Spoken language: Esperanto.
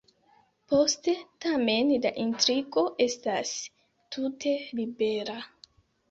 Poste, tamen, la intrigo estas tute libera.